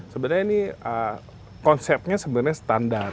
sebenarnya ini konsepnya sebenarnya standar